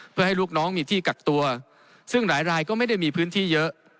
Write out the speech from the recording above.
เพื่อให้ลูกน้องมีที่กักตัวซึ่งหลายรายก็ไม่ได้มีพื้นที่เยอะ